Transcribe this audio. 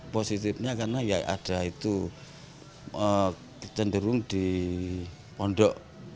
positifnya karena ya ada itu cenderung di pondok